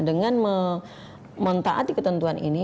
dengan mentaat di ketentuan ini